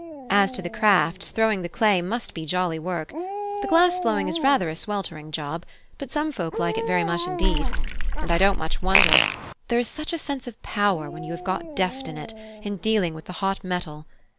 As to the crafts, throwing the clay must be jolly work: the glass blowing is rather a sweltering job; but some folk like it very much indeed; and I don't much wonder: there is such a sense of power, when you have got deft in it, in dealing with the hot metal.